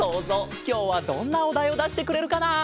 きょうはどんなおだいをだしてくれるかな？